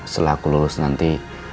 setelah aku lulus nanti